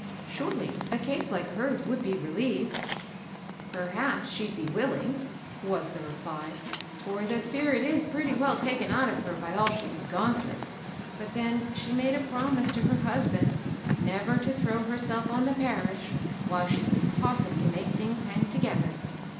^^ Surely a case like hers would be relieved ?"" Perhaps she'd be willing, was the reply ;for the spirit is pretty weU taken out of her by all she has gone through ; but then she made a promise to her husband never to throw herself on the parish while she could possibly make things hang together.